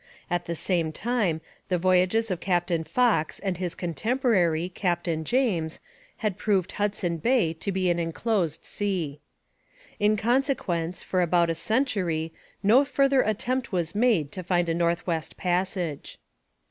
At the same time the voyages of Captain Fox and his contemporary Captain James had proved Hudson Bay to be an enclosed sea. In consequence, for about a century no further attempt was made to find a North West Passage.